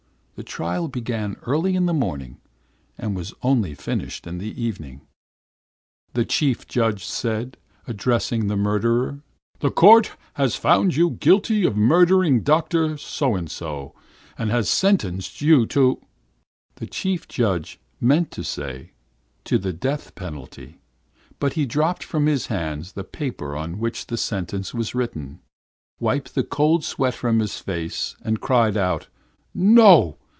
The trial began early in the morning and was only finished in the evening. "'Accused!' the chief judge said, addressing the murderer, 'the court has found you guilty of murdering Dr. So and so, and has sentenced you to....' "The chief judge meant to say 'to the death penalty,' but he dropped from his hands the paper on which the sentence was written, wiped the cold sweat from his face, and cried out: "'No!